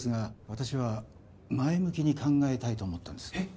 私は前向きに考えたいと思ったんですえっ